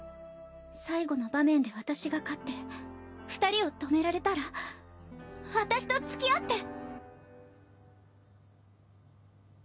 最後の場面で私が勝って二人を止められたら私とつきあって！